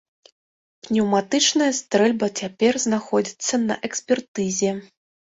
Пнеўматычная стрэльба цяпер знаходзіцца на экспертызе.